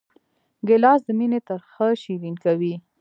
ګیلاس د مینې ترخه شیرین کوي.